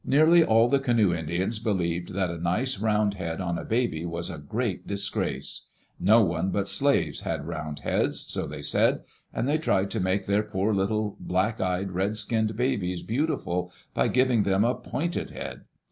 Nearly all the canoe Indians believed that a nice, round head on a baby was a great disgrace. No one but slaves had round heads, so they said, and they tried to make their poor little, black eyed, red skinned babies beautiful by giving them a pointed head.